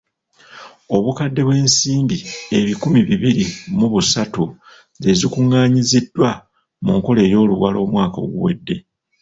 Obukadde bw’ensimbi ebikumi bibiri mu busatu ze zikuŋŋaanyiziddwa mu nkola ey’oluwalo omwaka oguwedde.